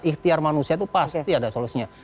ikhtiar manusia itu pasti ada solusinya